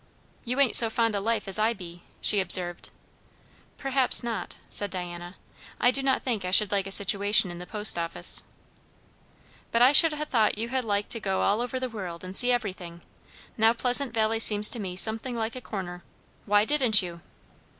"You ain't so fond o' life as I be," she observed. "Perhaps not," said Diana. "I do not think I should like a situation in the post office." "But I should ha' thought you'd ha' liked to go all over the world and see everything. Now Pleasant Valley seems to me something like a corner. Why didn't you?"